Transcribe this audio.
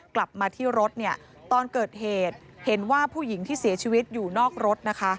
กลับมาที่รถเนี่ยตอนเกิดเหตุเห็นว่าผู้หญิงที่เสียชีวิตอยู่นอกรถนะคะ